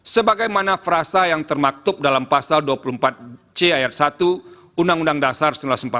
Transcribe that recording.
sebagaimana frasa yang termaktub dalam pasal dua puluh empat c ayat satu undang undang dasar seribu sembilan ratus empat puluh lima